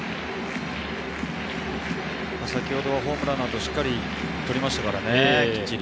先ほどホームランの後、しっかりとりましたからね。